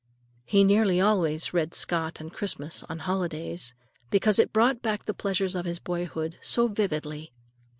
He nearly always read Scott on Christmas and holidays, because it brought back the pleasures of his boyhood so vividly.